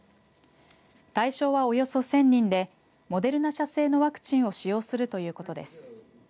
対象はおよそ１０００人でモデルナ社製のワクチンを使用するということです。